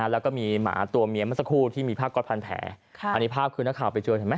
แล้วก็มีหมาตัวเมียเมื่อสักครู่ที่มีผ้าก๊อตพันแผลอันนี้ภาพคือนักข่าวไปเจอเห็นไหม